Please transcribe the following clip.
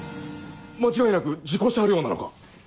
間違いなく事故車両なのか？